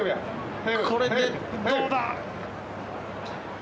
これで、どうだ？